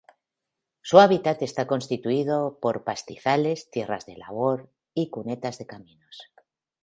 Su hábitat está constituido por pastizales, tierras de labor y cunetas de caminos.